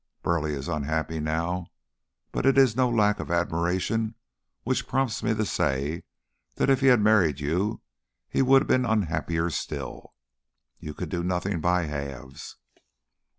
Burleigh is unhappy now, but it is no lack of admiration which prompts me to say that if he had married you he would have been unhappier still. You could do nothing by halves.